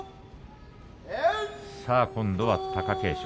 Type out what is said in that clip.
さあ今度は貴景勝。